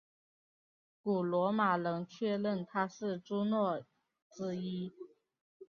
古罗马人确认她是朱诺之一。